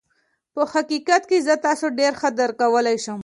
په حقيقت کې زه تاسو ډېر ښه درک کولای شم.